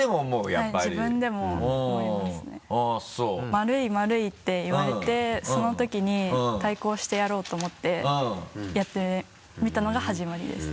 丸い丸いって言われてその時に対抗してやろうと思ってやってみたのが始まりです。